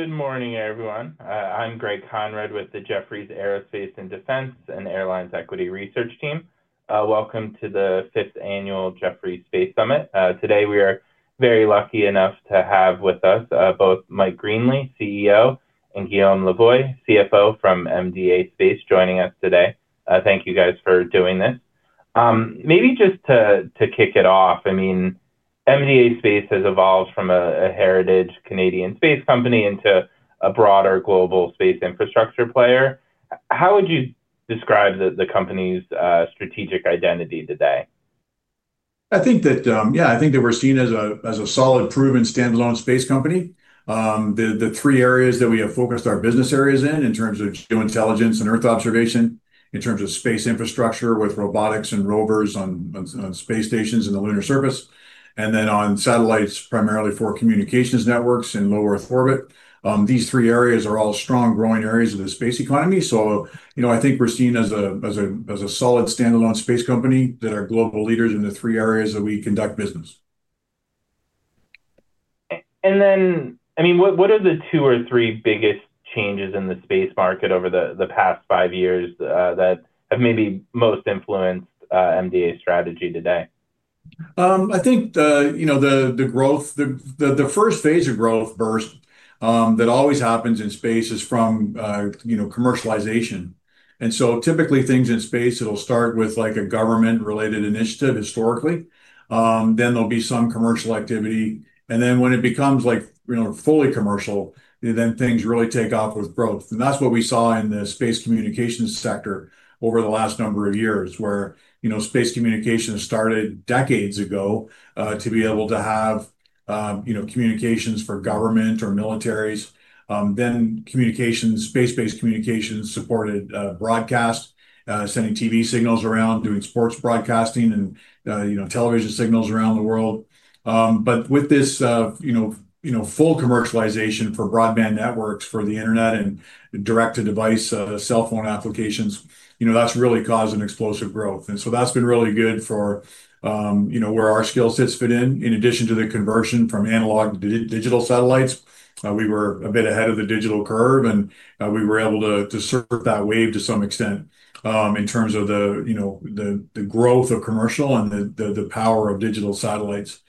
Good morning, everyone. I'm Greg Konrad with the Jefferies Aerospace and Defense and Airlines Equity Research team. Welcome to the 5th Annual Jefferies Space Summit. Today, we are very lucky enough to have with us both Mike Greenley, CEO, and Guillaume Lavoie, CFO from MDA Space joining us today. Thank you guys for doing this. Maybe just to kick it off, MDA Space has evolved from a heritage Canadian space company into a broader global space infrastructure player. How would you describe the company's strategic identity today? I think that, yeah, we're seen as a solid, proven, standalone space company. The three areas that we have focused our business areas in, in terms of geointelligence and earth observation, in terms of space infrastructure with robotics and rovers on space stations and the lunar surface, and then on satellites, primarily for communications networks and low Earth orbit. These three areas are all strong, growing areas of the space economy, so I think we're seen as a solid, standalone space company that are global leaders in the three areas that we conduct business. What are the two or three biggest changes in the space market over the past five years that have maybe most influenced MDA's strategy today? I think the growth, the first phase of growth burst that always happens in space is from commercialization. Typically, things in space, it'll start with a government-related initiative historically. Then, there'll be some commercial activity, and then when it becomes fully commercial, then things really take off with growth. That's what we saw in the space communications sector over the last number of years, where space communications started decades ago, to be able to have communications for government or militaries. Then, communications, space-based communications supported broadcast, sending TV signals around, doing sports broadcasting, and television signals around the world. With this full commercialization for broadband networks, for the internet, and direct-to-device cellphone applications, that's really causing explosive growth. That's been really good for where our skill sets fit in. In addition to the conversion from analog to digital satellites, we were a bit ahead of the digital curve, and we were able to surf that wave to some extent, in terms of the growth of commercial and the power of digital satellites.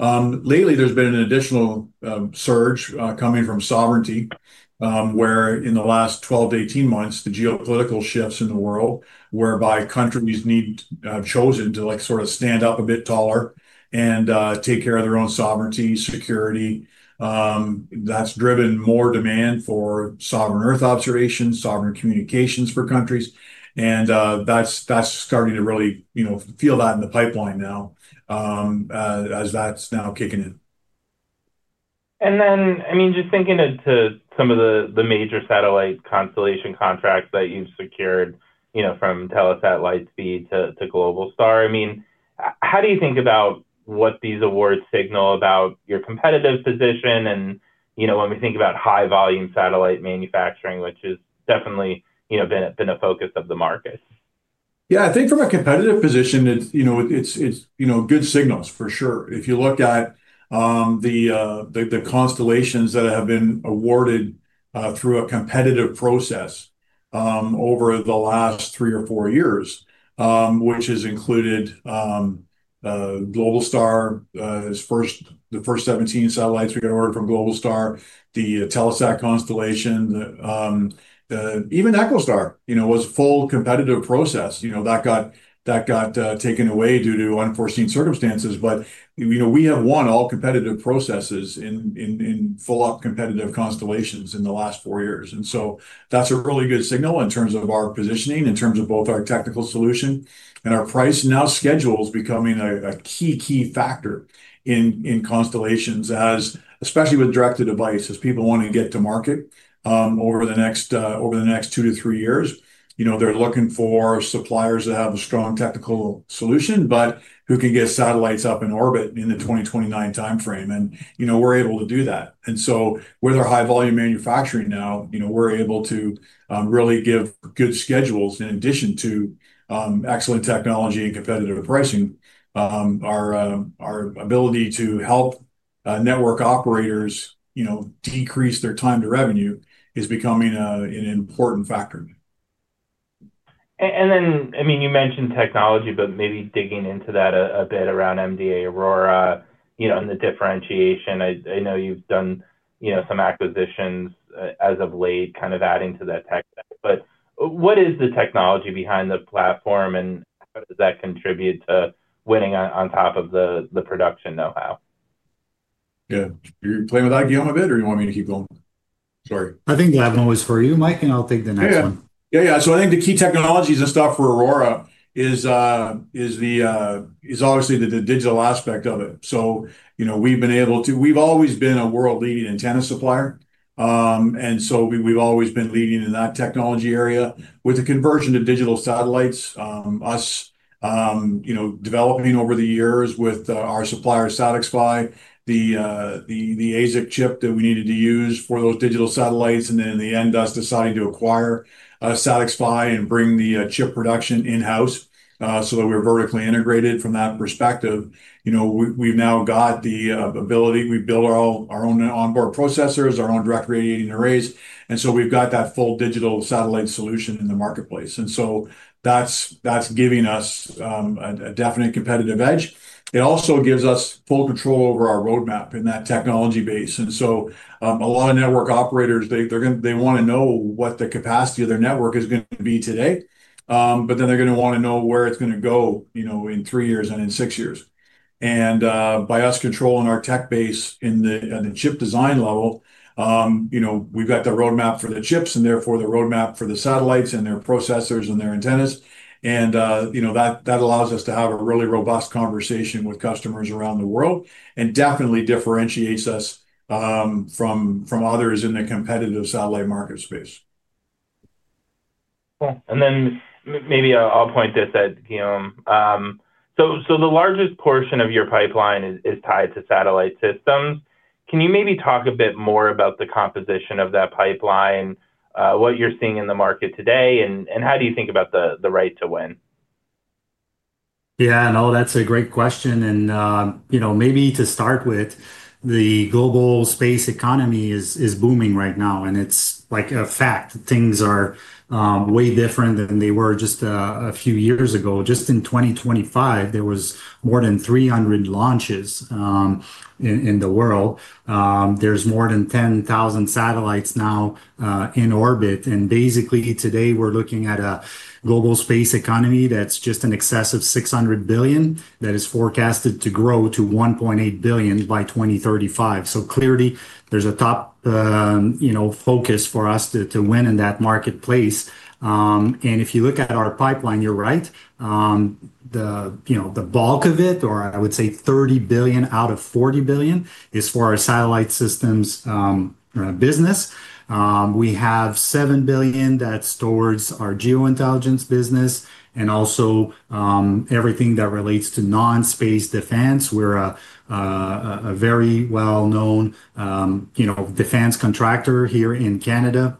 Lately, there's been an additional surge coming from sovereignty, where in the last 12-18 months, the geopolitical shifts in the world, whereby countries have chosen to sort of stand up a bit taller and take care of their own sovereignty, security. That's driven more demand for sovereign Earth observation, sovereign communications for countries, and that's starting to really feel that in the pipeline now, as that's now kicking in. Just digging into some of the major satellite constellation contracts that you've secured from Telesat Lightspeed to Globalstar, how do you think about what these awards signal about your competitive position and when we think about high-volume satellite manufacturing, which has definitely been a focus of the market? Yeah. I think from a competitive position, it's good signals for sure. If you look at the constellations that have been awarded through a competitive process over the last three or four years, which has included Globalstar, the first 17 satellites we got awarded from Globalstar, the Telesat constellation, even EchoStar, was full competitive process. That got taken away due to unforeseen circumstances, but we have won all competitive processes in full-up competitive constellations in the last four years. That's a really good signal in terms of our positioning, in terms of both our technical solution and our price. Now, schedule is becoming a key, key factor in constellations, especially with direct-to-device, as people want to get to market over the next two to three years. They're looking for suppliers that have a strong technical solution, but who can get satellites up in orbit in the 2029 timeframe, and we're able to do that. With our high-volume manufacturing now, we're able to really give good schedules in addition to excellent technology and competitive pricing. Our ability to help network operators decrease their time to revenue is becoming an important factor. You mentioned technology, but maybe digging into that a bit around MDA AURORA, and the differentiation. I know you've done some acquisitions as of late, kind of adding to that tech deck. What is the technology behind the platform, and how does that contribute to winning on top of the production know-how? Yeah. Do you want me to play with that, Guillaume, a bit, or do you want me to keep going? Sorry. I think that one was for you, Mike, and I'll take the next one. Yeah. I think the key technologies and stuff for AURORA is obviously the digital aspect of it. We've been able to, we've always been a world-leading antenna supplier, and so, we've always been leading in that technology area. With the conversion to digital satellites, us developing over the years with our supplier, SatixFy, the ASIC chip that we needed to use for those digital satellites, and then in the end, us deciding to acquire SatixFy and bring the chip production in-house so that we're vertically integrated from that perspective, we've now got the ability. We build our own onboard processors, our own direct radiating arrays, and so we've got that full digital satellite solution in the marketplace. That's giving us a definite competitive edge. It also gives us full control over our roadmap and that technology base. A lot of network operators, they want to know what the capacity of their network is going to be today, but they're going to want to know where it's going to go in three years and in six years. By us controlling our tech base in the chip design level, we've got the roadmap for the chips, and therefore, the roadmap for the satellites and their processors and their antennas. That allows us to have a really robust conversation with customers around the world and definitely differentiates us from others in the competitive satellite market space. Cool. Maybe, I'll point this at Guillaume. So, the largest portion of your pipeline is tied to satellite systems, can you maybe talk a bit more about the composition of that pipeline, what you're seeing in the market today, and how do you think about the right to win? Yeah, no, that's a great question. Maybe to start with, the global space economy is booming right now, and it's a fact. Things are way different than they were just a few years ago. Just in 2025, there was more than 300 launches in the world. There's more than 10,000 satellites now in orbit. Basically, today, we're looking at a global space economy that's just in excess of 600 billion that is forecasted to grow to 1.8 billion by 2035. Clearly, there's a top focus for us to win in that marketplace. If you look at our pipeline, you're right. The bulk of it, or I would say 30 billion out of 40 billion, is for our satellite systems business. We have 7 billion that's towards our geointelligence business and also everything that relates to non-space defense. We're a very well-known defense contractor here in Canada.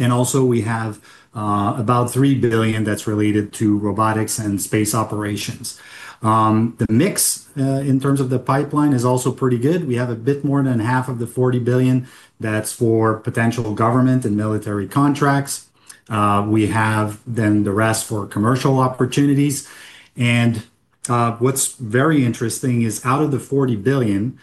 Also, we have about 3 billion that's related to robotics and space operations. The mix in terms of the pipeline is also pretty good. We have a bit more than half of the 40 billion that's for potential government and military contracts. We have then the rest for commercial opportunities. What's very interesting is out of the 40 billion,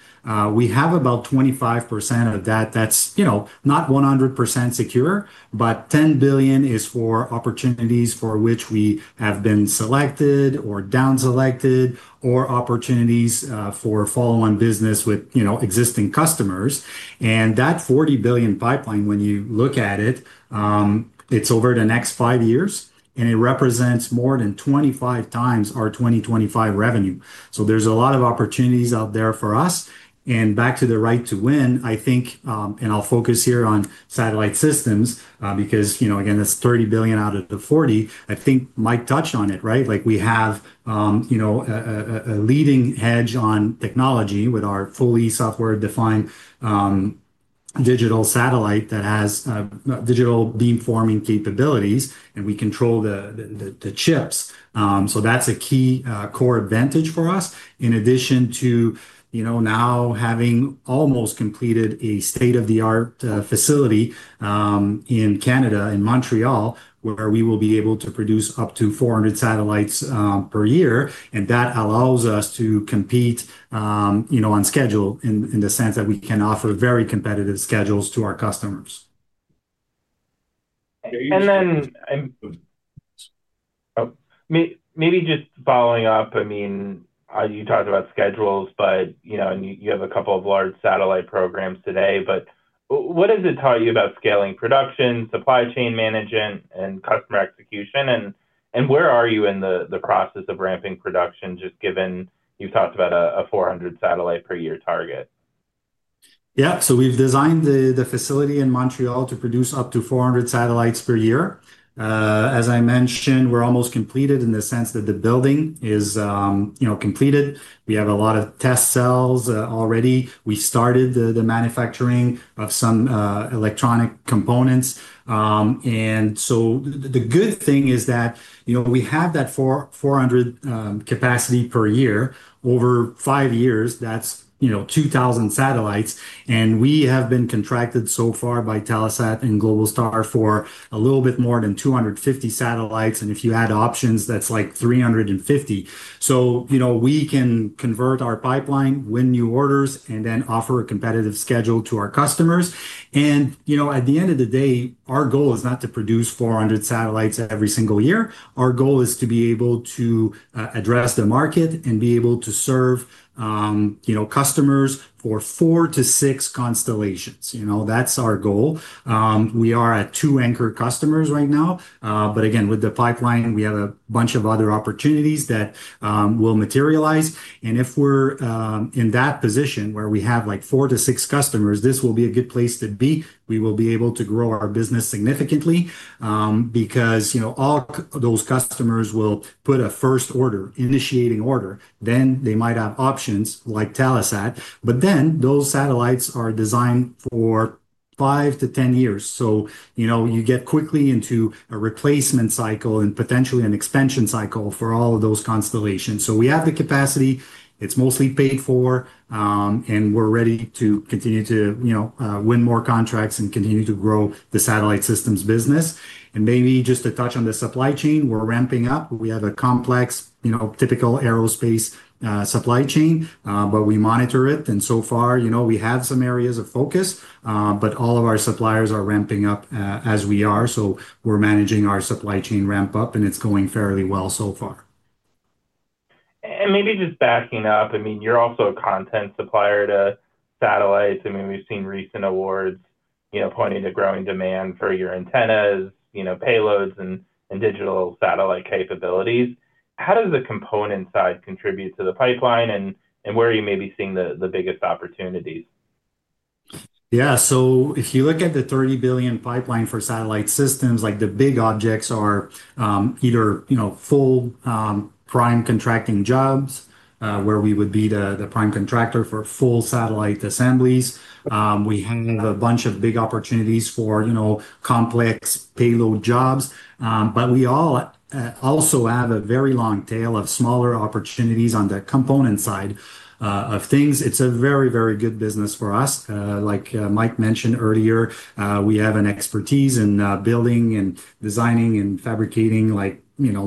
we have about 25% of that that's not 100% secure, but 10 billion is for opportunities for which we have been selected or downselected, or opportunities for follow-on business with existing customers. That 40 billion pipeline, when you look at it's over the next five years, and it represents more than 25x our 2025 revenue. There's a lot of opportunities out there for us. Back to the right to win, I think, and I'll focus here on satellite systems, because again, that's 30 billion out of the 40 billion, I think Mike touched on it, right, we have a leading edge on technology with our fully software-defined digital satellite that has digital beamforming capabilities, and we control the chips. That's a key core advantage for us, in addition to now having almost completed a state-of-the-art facility in Canada, in Montreal, where we will be able to produce up to 400 satellites per year. That allows us to compete on schedule in the sense that we can offer very competitive schedules to our customers. Maybe just following up, you talked about schedules, and you have a couple of large satellite programs today, but what has it taught you about scaling production, supply chain management, and customer execution? And where are you in the process of ramping production, just given you talked about a 400 satellite-per-year target? Yeah. We've designed the facility in Montreal to produce up to 400 satellites per year. As I mentioned, we're almost completed in the sense that the building is completed. We have a lot of test cells already. We started the manufacturing of some electronic components. The good thing is that we have that 400 capacity per year. Over five years, that's 2,000 satellites. We have been contracted so far by Telesat and Globalstar for a little bit more than 250 satellites. If you add options, that's like 350. We can convert our pipeline, win new orders, and then offer a competitive schedule to our customers. At the end of the day, our goal is not to produce 400 satellites every single year, our goal is to be able to address the market and be able to serve customers for four to six constellations. That's our goal. We are at two anchor customers right now. Again, with the pipeline, we have a bunch of other opportunities that will materialize. If we're in that position where we have four to six customers, this will be a good place to be. We will be able to grow our business significantly, because all those customers will put a first order, initiating order. Then, they might have options like Telesat. But then, those satellites are designed for 5-10 years, so you get quickly into a replacement cycle and potentially an expansion cycle for all of those constellations. We have the capacity, it's mostly paid for, and we're ready to continue to win more contracts and continue to grow the satellite systems business. Maybe just to touch on the supply chain, we're ramping up. We have a complex, typical aerospace supply chain, but we monitor it, and so far, we have some areas of focus, but all of our suppliers are ramping up as we are. We're managing our supply chain ramp-up, and it's going fairly well so far. Maybe just backing up, you're also a content supplier to satellites. We've seen recent awards pointing to growing demand for your antennas, payloads, and digital satellite capabilities. How does the component side contribute to the pipeline, and where are you maybe seeing the biggest opportunities? Yeah. If you look at the 30 billion pipeline for satellite systems, the big objects are either full prime contracting jobs, where we would be the prime contractor for full satellite assemblies. We have a bunch of big opportunities for complex payload jobs, but we also have a very long tail of smaller opportunities on the component side of things. It's a very, very good business for us. Like Mike mentioned earlier, we have an expertise in building and designing and fabricating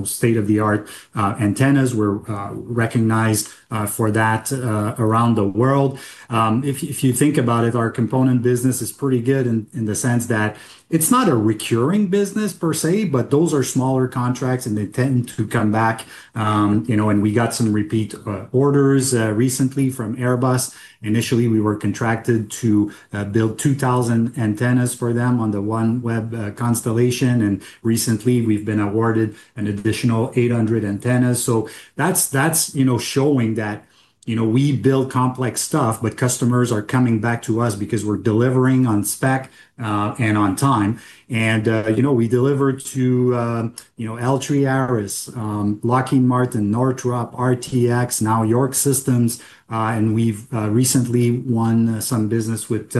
state-of-the-art antennas. We're recognized for that around the world. If you think about it, our component business is pretty good in the sense that it's not a recurring business per se, but those are smaller contracts, and they tend to come back. We got some repeat orders recently from Airbus. Initially, we were contracted to build 2,000 antennas for them on the OneWeb constellation, and recently, we've been awarded an additional 800 antennas. That's showing that we build complex stuff, but customers are coming back to us because we're delivering on spec and on time. We deliver to L3Harris, Lockheed Martin, Northrop, RTX, now York Space Systems. We've recently won some business with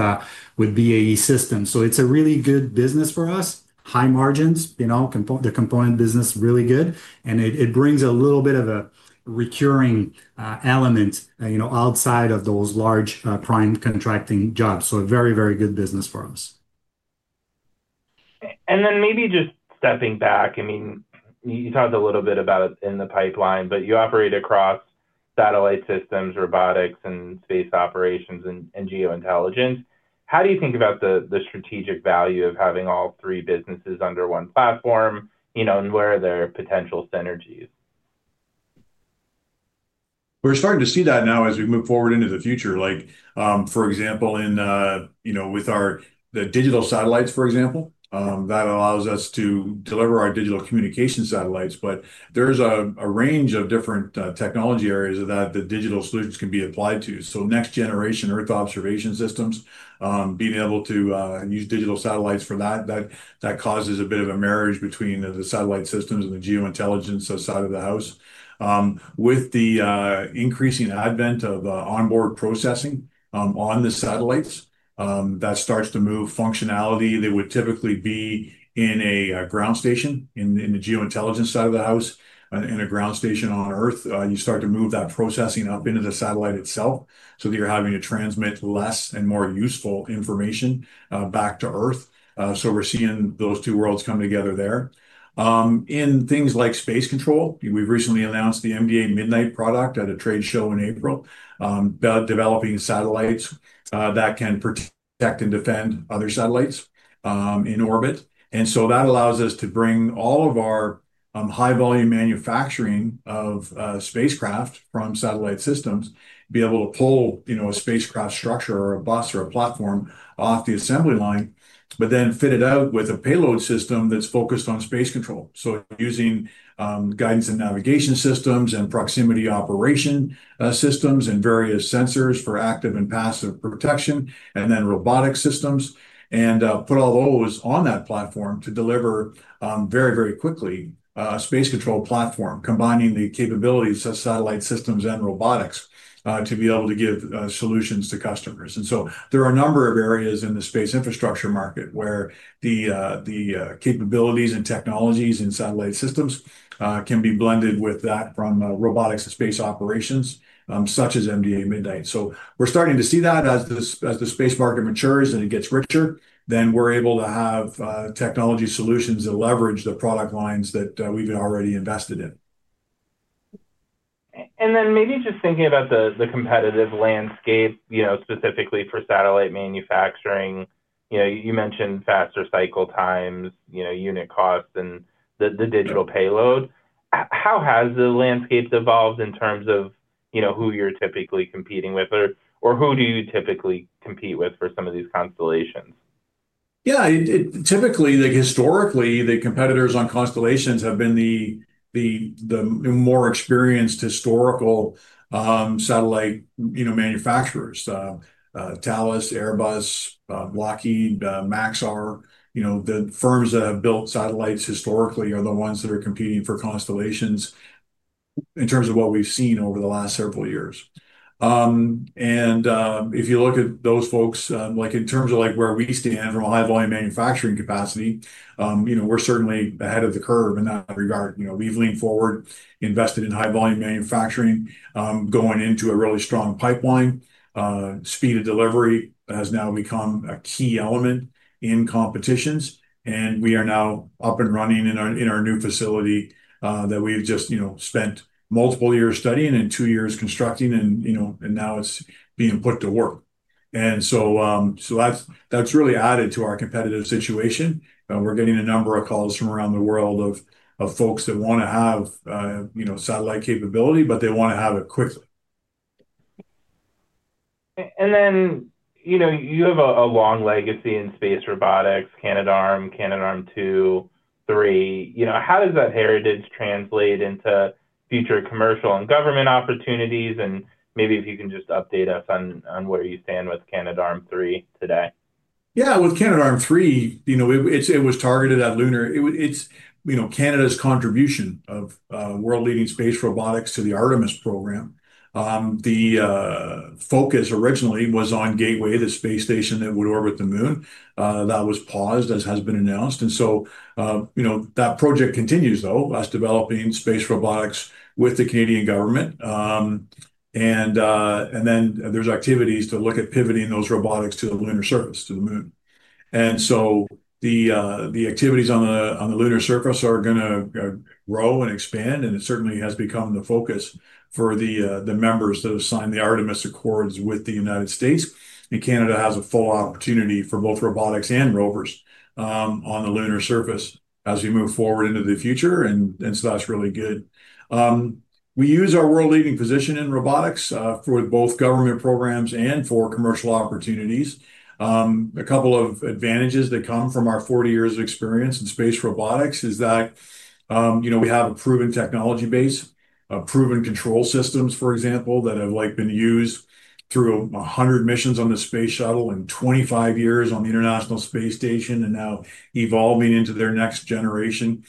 BAE Systems. It's a really good business for us, high margins. The component business is really good, and it brings a little bit of a recurring element outside of those large prime contracting jobs. So, a very, very good business for us. Maybe just stepping back, you talked a little bit about in the pipeline, but you operate across satellite systems, robotics, and space operations, and geointelligence. How do you think about the strategic value of having all three businesses under one platform? Where are there potential synergies? We're starting to see that now as we move forward into the future. For example, with our digital satellites, for example, that allows us to deliver our digital communication satellites. There's a range of different technology areas that the digital solutions can be applied to. Next-generation Earth observation systems, being able to use digital satellites for that causes a bit of a marriage between the satellite systems and the geointelligence side of the house. With the increasing advent of onboard processing on the satellites, that starts to move functionality that would typically be in a ground station in the geointelligence side of the house, in a ground station on Earth. You start to move that processing up into the satellite itself, so that you're having to transmit less and more useful information back to Earth. We're seeing those two worlds come together there. In things like space control, we recently announced the MDA MIDNIGHT product at a trade show in April, about developing satellites that can protect and defend other satellites in orbit. That allows us to bring all of our high-volume manufacturing of spacecraft from satellite systems to be able to pull a spacecraft structure or a bus or a platform off the assembly line but then fit it out with a payload system that's focused on space control. So, using guidance and navigation systems and proximity operation systems and various sensors for active and passive protection, and then robotic systems, and put all those on that platform to deliver very, very quickly a space control platform, combining the capabilities of satellite systems and robotics to be able to give solutions to customers. There are a number of areas in the space infrastructure market where the capabilities and technologies in satellite systems can be blended with that from robotics and space operations, such as MDA MIDNIGHT. We're starting to see that as the space market matures and it gets richer, then we're able to have technology solutions that leverage the product lines that we've already invested in. Maybe, just thinking about the competitive landscape, specifically for satellite manufacturing. You mentioned faster cycle times, unit costs, and the digital payload. How has the landscape evolved in terms of who you're typically competing with, or who do you typically compete with for some of these constellations? Yeah. Typically, historically, the competitors on constellations have been the more experienced historical satellite manufacturers, Thales, Airbus, Lockheed, Maxar. The firms that have built satellites historically are the ones that are competing for constellations, in terms of what we've seen over the last several years. If you look at those folks, in terms of where we stand on high-volume manufacturing capacity, we're certainly ahead of the curve in that regard. We've leaned forward, invested in high-volume manufacturing, going into a really strong pipeline. Speed of delivery has now become a key element in competitions. We are now up and running in our new facility that we've just spent multiple years studying and two years constructing, and now it's being put to work. That's really added to our competitive situation. We're getting a number of calls from around the world of folks that want to have satellite capability, but they want to have it quickly. You have a long legacy in space robotics, Canadarm, Canadarm2, Canadarm3. How does that heritage translate into future commercial and government opportunities? Maybe, if you can just update us on what you're seeing with Canadarm3 today. Yeah. With Canadarm3, it was targeted at lunar. It's Canada's contribution of world-leading space robotics to the Artemis program. The focus originally was on Gateway, the space station that would orbit the moon. That was paused, as has been announced. That project continues, though, us developing space robotics with the Canadian government. There's activities to look at pivoting those robotics to the lunar surface, to the moon. The activities on the lunar surface are going to grow and expand, and it certainly has become the focus for the members that have signed the Artemis Accords with the United States. Canada has a full opportunity for both robotics and rovers on the lunar surface as we move forward into the future, and that's really good. We use our world-leading position in robotics for both government programs and for commercial opportunities. A couple of advantages that come from our 40 years of experience in space robotics is that we have a proven technology base, proven control systems, for example, that have been used through 100 missions on the space shuttle and 25 years on the International Space Station, and now evolving into their next generation,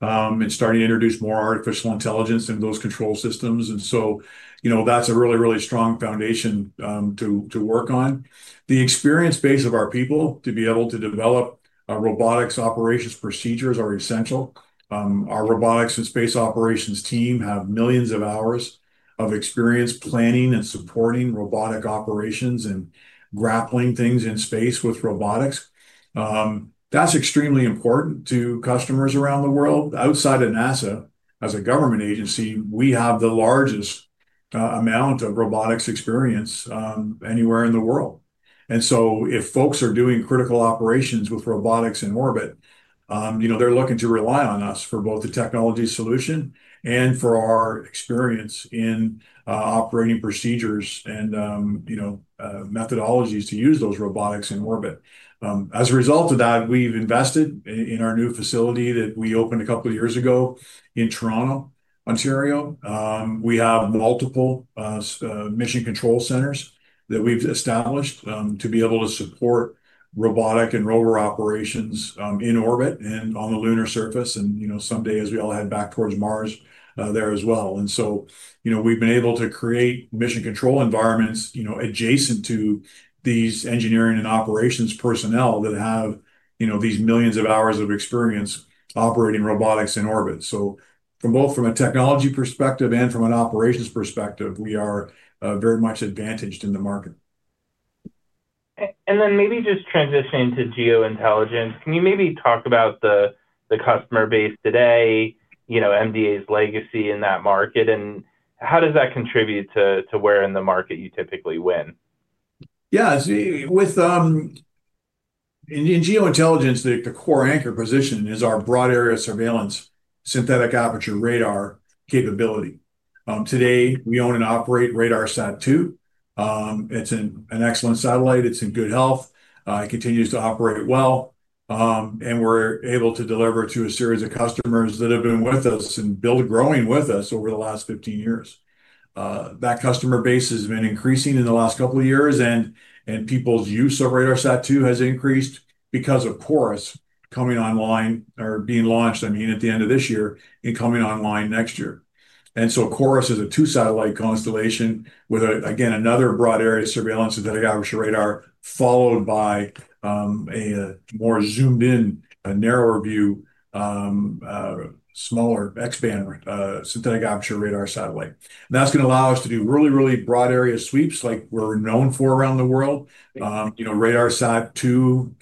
and starting to introduce more artificial intelligence in those control systems. So, that's a really, really strong foundation to work on. The experience base of our people to be able to develop our robotics operations procedures are essential. Our robotics and space operations team have millions of hours of experience planning and supporting robotic operations and grappling things in space with robotics. That's extremely important to customers around the world. Outside of NASA, as a government agency, we have the largest amount of robotics experience anywhere in the world. If folks are doing critical operations with robotics in orbit, they're looking to rely on us for both the technology solution and for our experience in operating procedures and methodologies to use those robotics in orbit. As a result of that, we've invested in our new facility that we opened a couple of years ago in Toronto, Ontario. We have multiple mission control centers that we've established to be able to support robotic and rover operations in orbit and on the lunar surface, and some day, as we all head back towards Mars, there as well. We've been able to create mission control environments adjacent to these engineering and operations personnel that have these millions of hours of experience operating robotics in orbit. From both from a technology perspective and from an operations perspective, we are very much advantaged in the market. Maybe just transitioning to geointelligence. Can you maybe talk about the customer base today, MDA's legacy in that market, and how does that contribute to where in the market you typically win? Yeah. In geointelligence, the core anchor position is our broad area of surveillance, synthetic aperture radar capability. Today, we own and operate RADARSAT-2. It's an excellent satellite. It's in good health. It continues to operate well. We're able to deliver to a series of customers that have been with us and have been growing with us over the last 15 years. That customer base has been increasing in the last couple of years, and people's use of RADARSAT-2 has increased because of CHORUS coming online or being launched, at the end of this year and coming online next year. CHORUS is a two-satellite constellation with, again, another broad area of surveillance synthetic aperture radar, followed by a more zoomed-in, a narrower view, a smaller X-band synthetic aperture radar satellite. That's going to allow us to do really, really broad area sweeps like we're known for around the world. RADARSAT-2,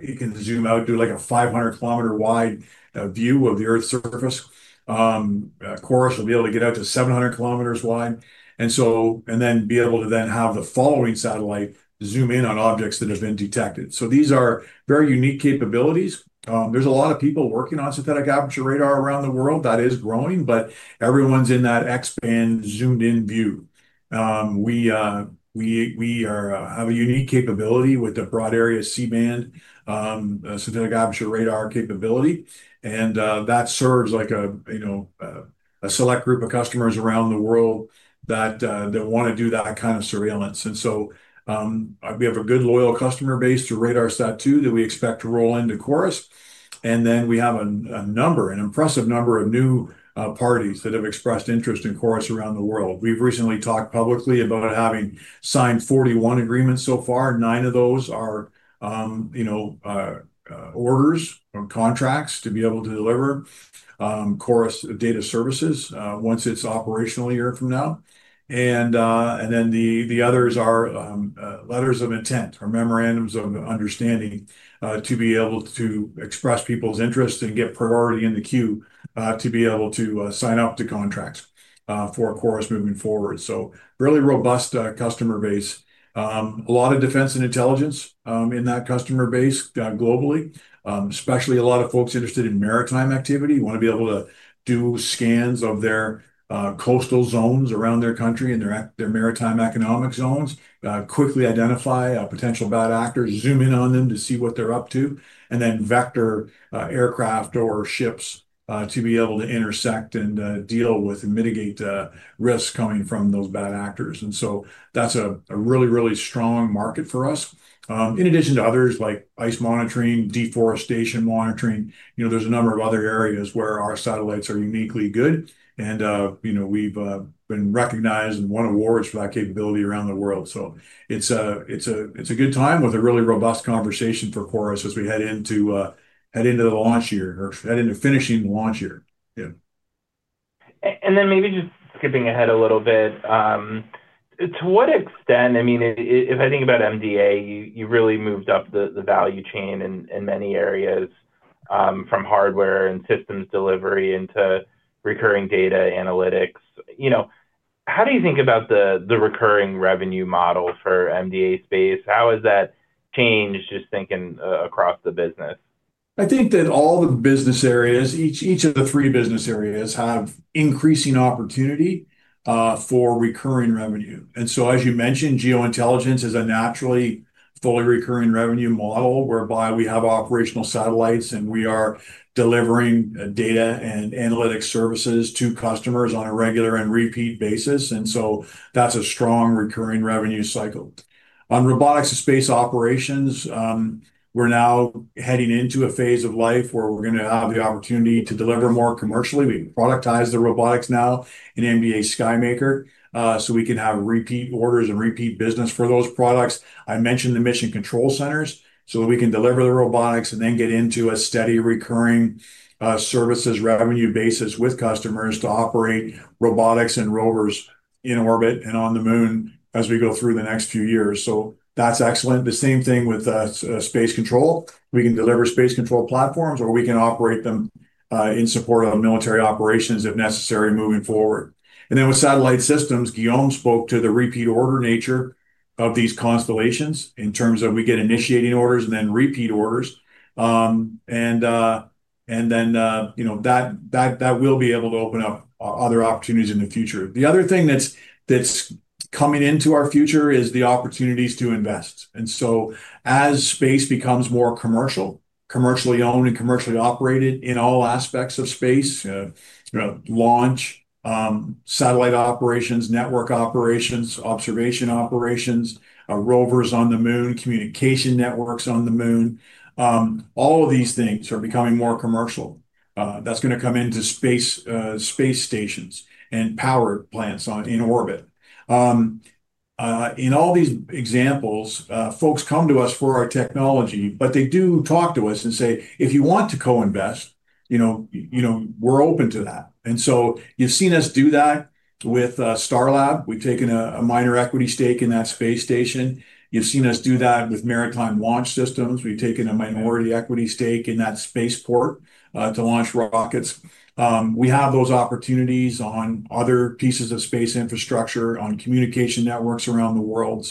it can zoom out and do a 500-km-wide view of the Earth's surface. CHORUS will be able to get up to 700 km wide and then be able to then have the following satellite zoom in on objects that have been detected. These are very unique capabilities. There's a lot of people working on synthetic aperture radar around the world. That is growing. But everyone's in that X-band zoomed-in view. We have a unique capability with the broad area C-band, a synthetic aperture radar capability, and that serves a select group of customers around the world that want to do that kind of surveillance. We have a good, loyal customer base to RADARSAT-2 that we expect to roll into CHORUS. We have an impressive number of new parties that have expressed interest in CHORUS around the world. We've recently talked publicly about having signed 41 agreements so far. Nine of those are orders or contracts to be able to deliver CHORUS data services once it's operational a year from now. The others are letters of intent or memorandums of understanding to be able to express people's interest and get priority in the queue to be able to sign up to contracts for CHORUS moving forward. Really robust customer base. A lot of defense and intelligence in that customer base globally, especially a lot of folks interested in maritime activity, want to be able to do scans of their coastal zones around their country and their maritime economic zones, quickly identify potential bad actors, zoom in on them to see what they're up to, and then vector aircraft or ships to be able to intersect and deal with and mitigate risk coming from those bad actors. That's a really, really strong market for us. In addition to others like ice monitoring, deforestation monitoring. There's a number of other areas where our satellites are uniquely good. And we've been recognized and won awards for that capability around the world. It's a good time with a really robust conversation for CHORUS as we head into the launch year, or head into finishing the launch year. Yeah. Maybe just skipping ahead a little bit, to what extent, if anything, about MDA, you really moved up the value chain in many areas, from hardware and systems delivery into recurring data analytics. How do you think about the recurring revenue model for MDA Space? How has that changed, just thinking across the business? I think that all the business areas, each of the three business areas, have increasing opportunity for recurring revenue. As you mentioned, geointelligence is a naturally fully recurring revenue model, whereby we have operational satellites, and we are delivering data and analytic services to customers on a regular and repeat basis. That's a strong recurring revenue cycle. On robotics and space operations, we're now heading into a phase of life where we're going to have the opportunity to deliver more commercially. We've productized the robotics now in MDA SKYMAKER, so we can have repeat orders and repeat business for those products. I mentioned the mission control centers. We can deliver the robotics and then get into a steady recurring services revenue basis with customers to operate robotics and rovers in orbit and on the moon as we go through the next few years. That's excellent. The same thing with space control. We can deliver space control platforms, or we can operate them in support of military operations if necessary moving forward. With satellite systems, Guillaume spoke to the repeat order nature of these constellations in terms of we get initiating orders and then repeat orders. That will be able to open up other opportunities in the future. The other thing that's coming into our future is the opportunities to invest. As space becomes more commercial, commercially owned and commercially operated in all aspects of space, launch, satellite operations, network operations, observation operations, rovers on the moon, communication networks on the moon, all of these things are becoming more commercial. That's going to come into space stations and power plants in orbit. In all these examples, folks come to us for our technology, but they do talk to us and say, "If you want to co-invest, we're open to that." You've seen us do that with Starlab. We've taken a minor equity stake in that space station. You've seen us do that with Maritime Launch Systems. We've taken a minority equity stake in that space port to launch rockets. We have those opportunities on other pieces of space infrastructure, on communication networks around the world.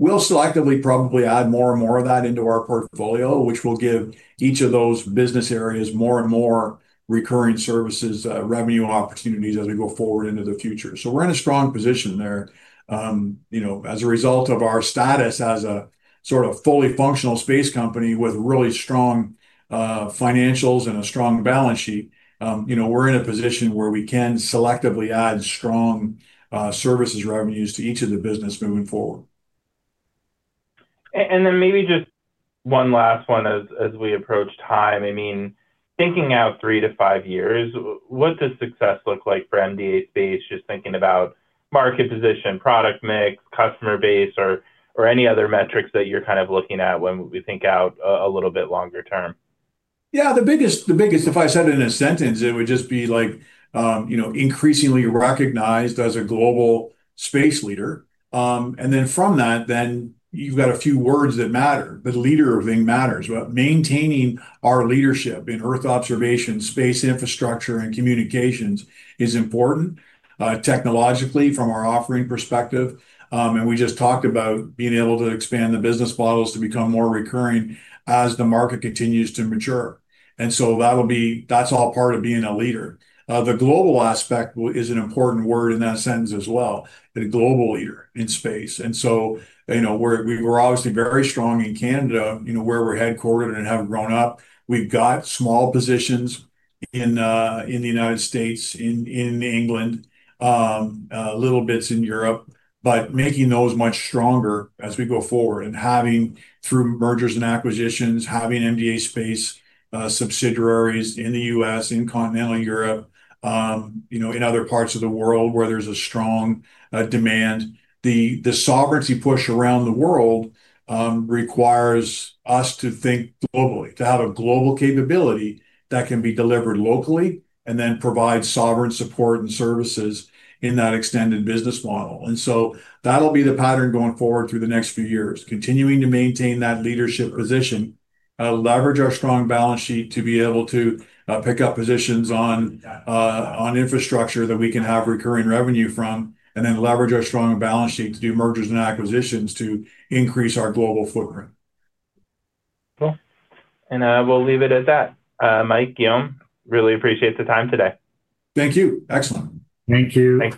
We'll selectively probably add more and more of that into our portfolio, which will give each of those business areas more and more recurring services revenue opportunities as we go forward into the future. We're in a strong position there. As a result of our status as a sort of fully functional space company with really strong financials and a strong balance sheet, we're in a position where we can selectively add strong services revenues to each of the business moving forward. Maybe, just one last one as we approach time. Thinking out three to five years, what does success look like for MDA Space? Just thinking about market position, product mix, customer base, or any other metrics that you're kind of looking at when we think out a little bit longer term. Yeah, the biggest, if I said it in a sentence, it would just be increasingly recognized as a global space leader. From that, then you've got a few words that matter. The leader thing matters. Maintaining our leadership in Earth observation, space infrastructure, and communications is important technologically from our offering perspective. We just talked about being able to expand the business models to become more recurring as the market continues to mature. That's all part of being a leader. The global aspect is an important word in that sentence as well, the global leader in space. We're obviously very strong in Canada, where we're headquartered and have grown up. We've got small positions in the United States, in England, little bits in Europe, but making those much stronger as we go forward and having, through mergers and acquisitions, having MDA Space subsidiaries in the U.S., in continental Europe, in other parts of the world where there's a strong demand. The sovereignty push around the world requires us to think globally, to have a global capability that can be delivered locally and then provide sovereign support and services in that extended business model. That'll be the pattern going forward through the next few years, continuing to maintain that leadership position, leverage our strong balance sheet to be able to pick up positions on infrastructure that we can have recurring revenue from, and then leverage our strong balance sheet to do mergers and acquisitions to increase our global footprint. Cool. We'll leave it at that. Mike, Guillaume, really appreciate the time today. Thank you. Excellent. Thank you. Thanks so much.